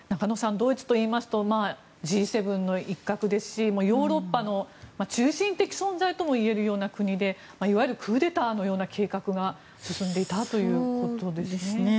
ドイツといいますとＧ７の一角ですしヨーロッパの中心的存在ともいえるような国で、いわゆるクーデターのような計画が進んでいたということですね。